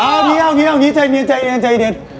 เอาอย่างงี้เอาอย่างงี้ใจเนียนใจเนียนใจเนียน